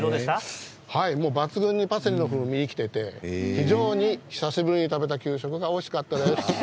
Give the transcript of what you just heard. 抜群にパセリの風味が生きていて久しぶりに食べた給食がおいしかったです。